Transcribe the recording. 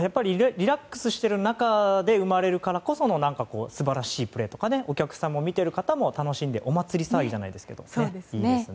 リラックスしてる中で生まれるからこそ素晴らしいプレーとかお客さんも見てる方も楽しんでお祭り騒ぎじゃないですけどいいですね。